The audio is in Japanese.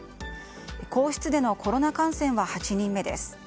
皇室でのコロナ感染は８人目です。